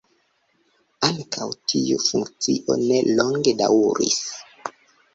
Ankaŭ tiu funkcio ne longe daŭris.